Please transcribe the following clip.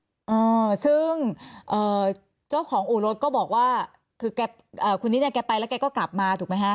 อืมซึ่งเจ้าของอู่รถก็บอกว่าคุณนิดเนี่ยแกไปแล้วก็กลับมาถูกไหมคะ